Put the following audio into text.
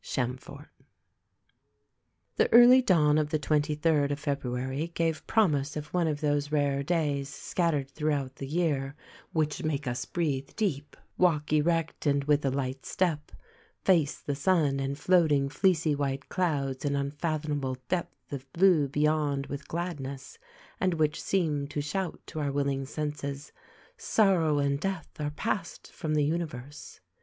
— Cham fort. The early dawn of the twenty third of February gave promise of one of those rare days, scattered throughout the year, which make us breathe deep, walk erect and with a light step, face the sun and floating fleecy white clouds and unfathomable depth of blue beyond with gladness, and which seem to shout to our willing senses, "Sorrow and Death are passed from the universe."